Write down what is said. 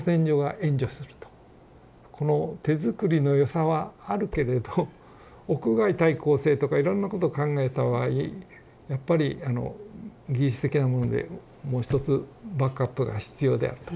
「この手づくりのよさはあるけれど屋外耐候性とかいろんなこと考えた場合やっぱり技術的なものでもうひとつバックアップが必要である」と。